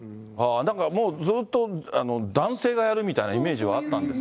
なんかもうずっと男性がやるみたいなイメージはあったんです